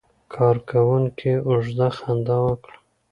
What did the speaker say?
کارکونکي اوږده خندا وکړه.